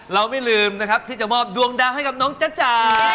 เราไม่ลืมที่จะมอบดวงดังให้กับน้องจ๊ะจ๊ะ